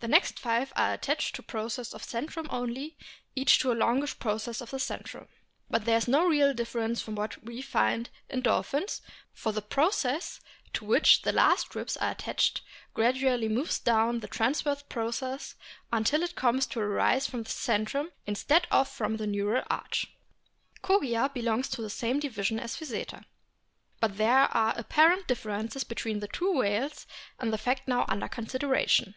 The next five are attached to processes of centrum only, each to a longish process of the centrum. But there is no real difference from what we find in dolphins, for the process to which the last ribs are attached gradually moves down the transverse process TOOTHED WHALES 177 until it comes to arise from the centrum instead of from the neural arch. Kogia belongs to the same division as Physeter. But there are apparent differences between the two whales in the fact now under consideration.